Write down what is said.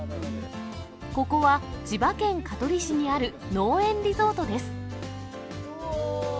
ここは千葉県香取市にある農園リゾートです。